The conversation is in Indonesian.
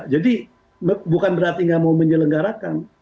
jadi bukan berarti nggak mau menyelenggarakan